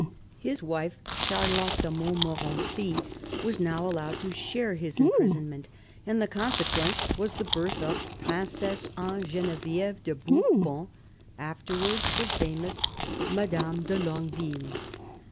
His wife, Charlotte de Montmorency, was now allowed to share his imprisonment, and the consequence was the birth of Princess Anne Genevifeve de Bourbon, afterwards the famous Madame de Longueville.